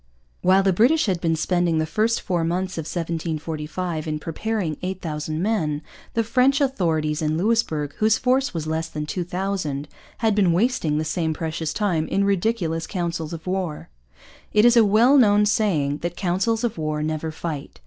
While the British had been spending the first four months of 1745 in preparing 8,000 men, the French authorities in Louisbourg, whose force was less than 2,000, had been wasting the same precious time in ridiculous councils of war. It is a well known saying that councils of war never fight.